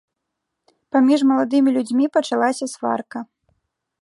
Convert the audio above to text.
Паміж маладымі людзьмі пачалася сварка.